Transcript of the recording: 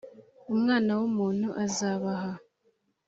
Umwana w umuntu azabaha